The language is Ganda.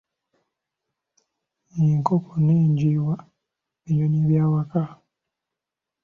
Enkoko n'enjiibwa binyonyi by'awaka.